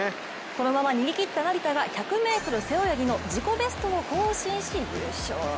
このまま逃げきった成田が１００ｍの自己ベストを更新し優勝。